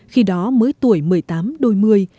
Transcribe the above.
khi đó mới tuổi một mươi tám đôi mươi